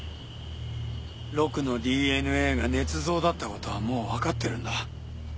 ロクのＤＮＡが捏造だったことはもうわかっているんだ。